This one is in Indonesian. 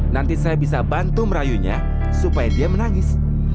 nanti saya bisa bantu merayunya supaya dia menangis